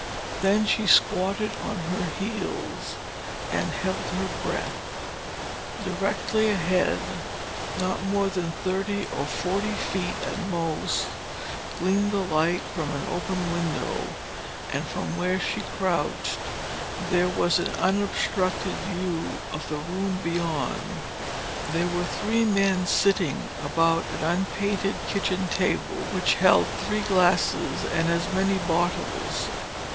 Then she squatted on her heels and held her breath. Directly ahead, not more than thirty or forty feet at most, gleamed the light from an open window, and from where she crouched, there was an unobstructed view of the room beyond. There were three men sitting about an unpainted kitchen table which held three glasses and as many bottles.